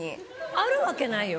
あるわけないよ。